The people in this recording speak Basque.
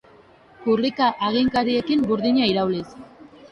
Kurrika haginkariekin burdina irauliz.